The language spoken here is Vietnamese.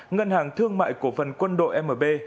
ngân hàng thương mại cổ phần quân đội mb